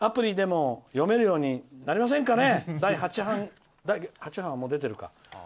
次から読めるようになりませんかね？